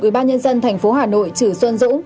đã ký ban hành vi đăng ký dự thi của nhà trường